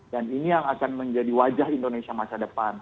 dan ini yang akan menjadi wajah indonesia masa depan